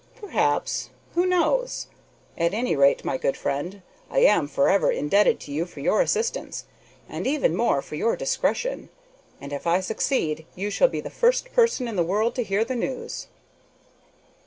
"Perhaps; who knows? At any rate, my good friend, I am forever indebted to you for your assistance, and even more for your discretion, and if I succeed you shall be the first person in the world to hear the news."